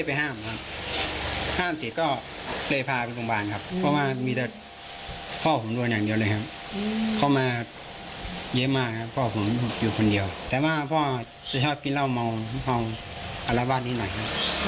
ผมล่ะฝ้าของพ่อจะชอบกินเหล้อเมาหรือเอาราวาสนี่หน่อยนะ